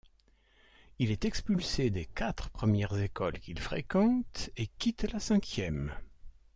Il est expulsé des quatre premières écoles qu'il fréquente et quitte la cinquième.